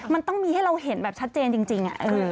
มันต้องมีให้เราเห็นแบบชัดเจนจริง